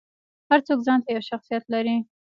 هر څوک ځانته یو شخصیت لري.